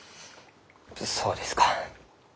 そうですか。